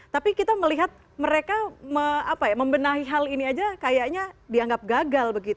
tapi kita melihat mereka membenahi hal ini aja kayaknya dianggap gagal